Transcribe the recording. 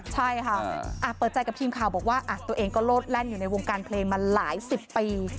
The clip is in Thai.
ใช่ค่ะเปิดใจกับทีมข่าวบอกว่าตัวเองก็โลดแล่นอยู่ในวงการเพลงมาหลายสิบปี